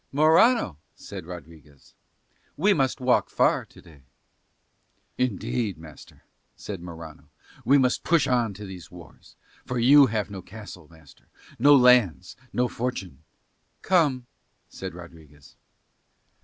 "Morano," said Rodriguez, "we must walk far to day." "Indeed, master," said Morano, "we must push on to these wars; for you have no castle, master, no lands, no fortune ..." "Come," said Rodriguez.